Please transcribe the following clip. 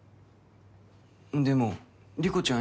でも莉子ちゃん